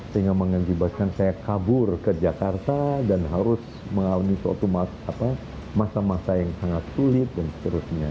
sehingga mengajibatkan saya kabur ke jakarta dan harus mengalami suatu masa masa yang sangat sulit dan seterusnya